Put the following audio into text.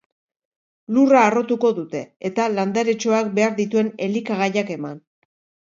Lurra harrotuko dute, eta landaretxoak behar dituen elikagaiak eman.